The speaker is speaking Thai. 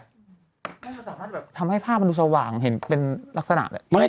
มันจะสามารถทำให้ภาพมันดูสว่างเห็นเป็นลักษณะแหละ